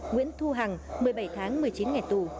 nguyễn thu hằng một mươi bảy tháng một mươi chín ngày tù